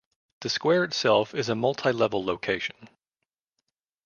The square itself is a multi-level location.